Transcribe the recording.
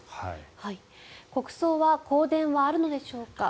国葬は香典はあるのでしょうか？